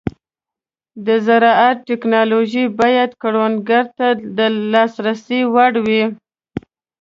د زراعت ټيکنالوژي باید کروندګرو ته د لاسرسي وړ وي.